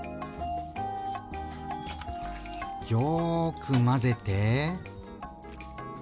よく混ぜて。